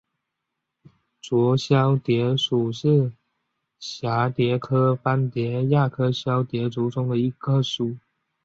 浊绡蝶属是蛱蝶科斑蝶亚科绡蝶族中的一个属。